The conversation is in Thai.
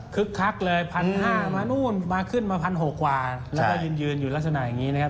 คักเลย๑๕๐๐มานู่นมาขึ้นมา๑๖๐๐กว่าแล้วก็ยืนอยู่ลักษณะอย่างนี้นะครับ